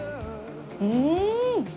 うん！